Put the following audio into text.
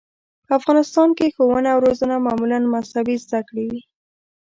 په افغانستان کې ښوونه او روزنه معمولاً مذهبي زده کړې وې.